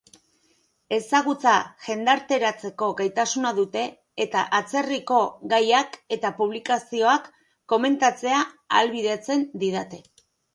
Ezagutza jendarteratzeko gaitasuna dute, eta atzerriko gaiak eta publikazioak komentatzea ahalbidetzen didate.